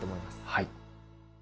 はい。